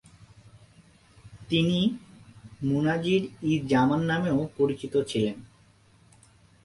তিনি "মুনাজির-ই-জামান" নামেও পরিচিত ছিলেন।